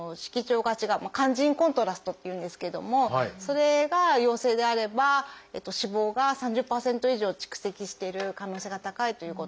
「肝腎コントラスト」っていうんですけどもそれが陽性であれば脂肪が３０％以上蓄積している可能性が高いということになります。